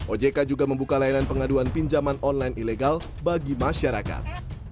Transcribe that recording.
ojk juga membuka layanan pengaduan pinjaman online ilegal bagi masyarakat